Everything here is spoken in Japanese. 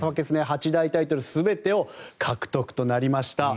八大タイトル全てを獲得となりました。